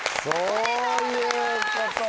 おめでとうございます。